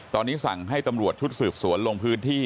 ตอนนี้สั่งให้ตำรวจชุดสืบสวนลงพื้นที่